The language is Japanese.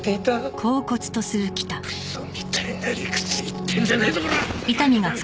クソみたいな理屈言ってんじゃねえぞコラ！